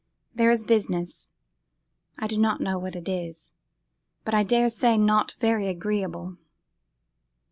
There is business; I do not know what it is, but I dare say not very agreeable.